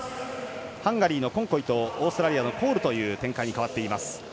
ハンガリーのコンコイと、オーストラリアのコールという展開に変わっている。